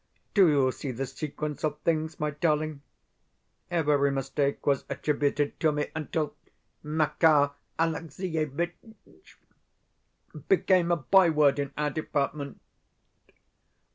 Do you see the sequence of things, my darling? Every mistake was attributed to me, until "Makar Alexievitch" became a byword in our department.